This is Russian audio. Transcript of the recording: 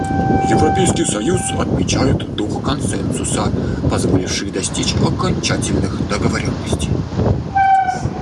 Европейский союз отмечает дух консенсуса, позволивший достичь окончательных договоренностей.